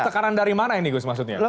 tekanan dari mana ini gus maksudnya